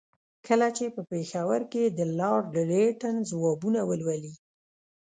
کله چې په پېښور کې د لارډ لیټن ځوابونه ولولي.